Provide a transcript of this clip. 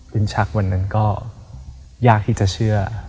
ชักวันนั้นก็ยากที่จะเชื่อ